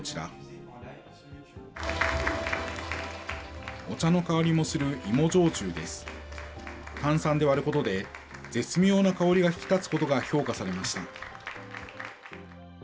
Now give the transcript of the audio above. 炭酸で割ることで、絶妙な香りが引き立つことが評価されました。